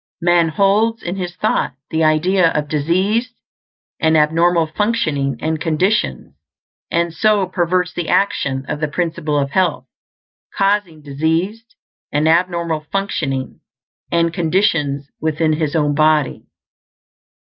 Man holds in his thought the idea of diseased and abnormal functioning and conditions, and so perverts the action of the Principle of Health, causing diseased and abnormal functioning and conditions within his own body.